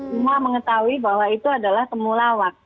semua mengetahui bahwa itu adalah semulawak